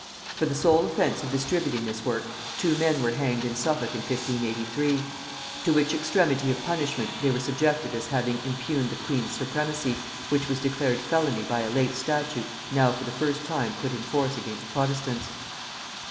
For the sole offence of distributing this work, two men were hanged in Suffolk in 1583; to which extremity of punishment they were subjected as having impugned the queen's supremacy, which was declared felony by a late statute now for the first time put in force against protestants.